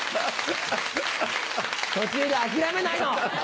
途中で諦めないの！